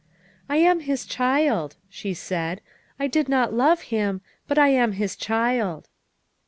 " I am his child," she said, " I did not love him but I am his child."